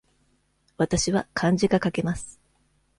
わたしは漢字が書けます。